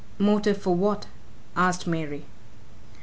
"Motive for what?" asked Mary.